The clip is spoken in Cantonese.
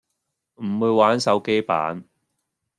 唔會玩手機版